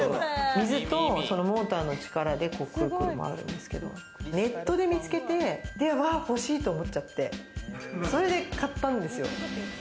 水とモーターの力で、くるくる回るんですけど、ネットで見つけて、欲しいと思っちゃって、それで買ったんですよ。